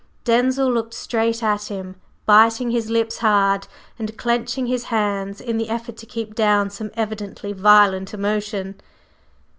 Denzil looked straight at him, biting his lips hard and clenching his hands in the effort to keep down some evidently violent emotion.